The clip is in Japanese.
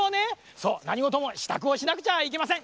そうなにごともしたくをしなくちゃあいけません。